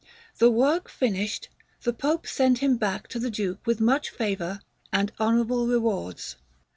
The work finished, the Pope sent him back to the Duke with much favour and honourable rewards.